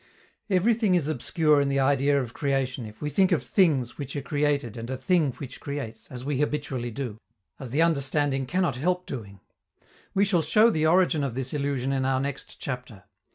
Everything is obscure in the idea of creation if we think of things which are created and a thing which creates, as we habitually do, as the understanding cannot help doing. We shall show the origin of this illusion in our next chapter.